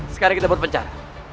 sekarang kita buat pencar